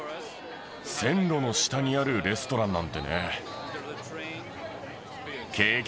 線路の下にあるレストランなんてね。